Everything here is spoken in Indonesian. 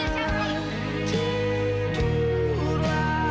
tadi itu di luar kota